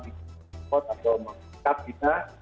support atau mengikat kita